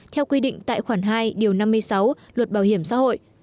theo quy định tại khoản hai điều năm mươi sáu luật bảo hiểm xã hội